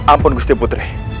ampun gusti putri